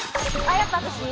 やっぱ私。